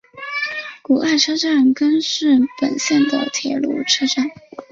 古濑车站根室本线的铁路车站。